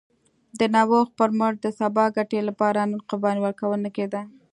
د نوښت پر مټ د سبا ګټې لپاره نن قرباني ورکول نه کېده